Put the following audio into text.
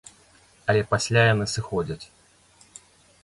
Але пасля яны сыходзяць.